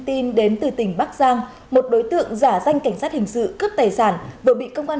tin đến từ tỉnh bắc giang một đối tượng giả danh cảnh sát hình sự cướp tài sản vừa bị công an